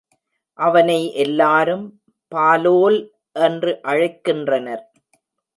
அவனை எல்லாரும் பாலோல் என்று அழைக் கின்றனர்.